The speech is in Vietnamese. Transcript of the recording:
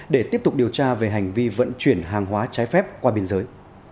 để tiếp tục điều tra về hành vi vận chuyển hàng hóa trái phép qua biên giới